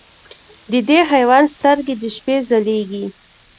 د دې حیوان سترګې د شپې ځلېږي.